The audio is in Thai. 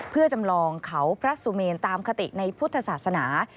เพื่อจำลองเขาพระสุเมนตามคติในพุทธศาสนา